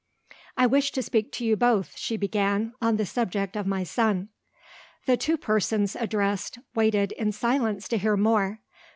"I wish to speak to you both," she began, "on the subject of my son." The two persons addressed waited in silence to hear more.